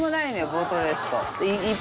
ボートレースと。